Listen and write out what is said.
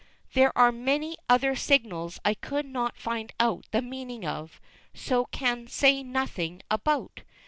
There are many other signals I could not find out the meaning of, so can say nothing about.